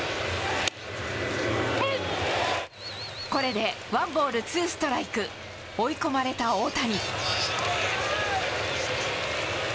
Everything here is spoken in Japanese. これでワンボールツーストライク、追い込まれた大谷。